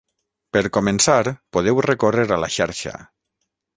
Per començar, podeu recórrer a la xarxa.